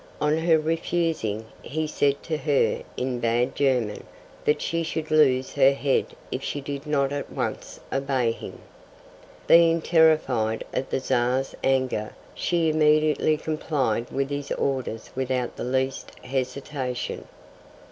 On her refusing, he said to her in bad German that she should lose her head if she did not at once obey him. Being terrified at the Czar's anger she immediately complied with his orders without the least hesitation.